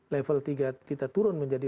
level tiga kita turun menjadi